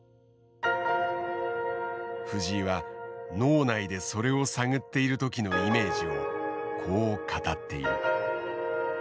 藤井は脳内でそれを探っている時のイメージをこう語っている。